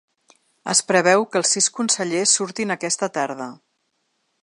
Es preveu que els sis consellers surtin aquesta tarda.